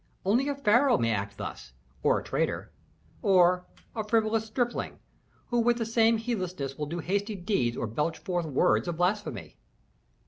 Only a pharaoh may act thus, or a traitor, or a frivolous stripling, who with the same heedlessness will do hasty deeds or belch forth words of blasphemy."